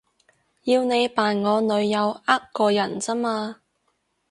要你扮我女友呃個人咋嘛